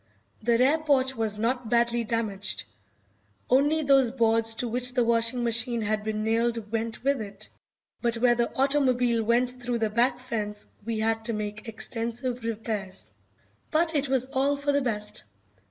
The rear porch was not badly damaged. Only those boards to which the washing machine had been nailed went with it, but where the automobile went through the back fence we had to make extensive repairs. But it was all for the best.